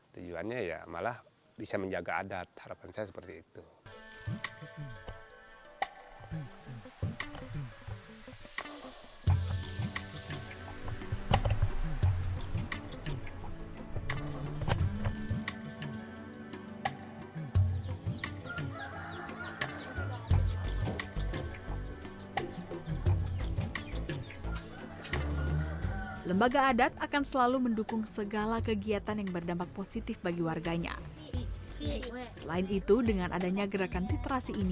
tujuannya ya malah bisa menjaga adat